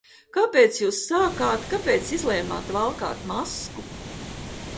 Kad Jūs sākāt, kāpēc izlēmāt valkāt masku?